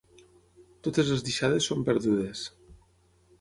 Totes les deixades són perdudes.